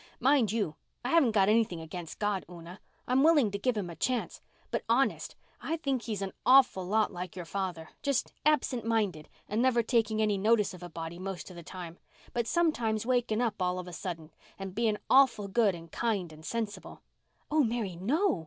"Mind you, I haven't got anything against God, Una. I'm willing to give Him a chance. But, honest, I think He's an awful lot like your father—just absent minded and never taking any notice of a body most of the time, but sometimes waking up all of a suddent and being awful good and kind and sensible." "Oh, Mary, no!"